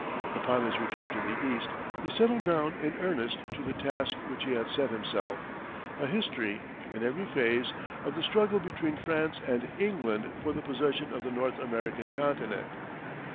Upon his return to the East, he settled down in earnest to the task which he had set himself a history, in every phase, of the struggle between France and England for the possession of the North American continent.